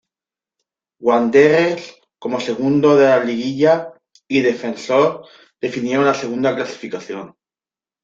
Wanderers, como segundo de la Liguilla, y Defensor, definieron la segunda clasificación.